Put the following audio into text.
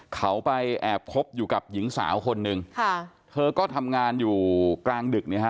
เขาไปแอบคบอยู่กับหญิงสาวคนหนึ่งค่ะเธอก็ทำงานอยู่กลางดึกเนี่ยฮะ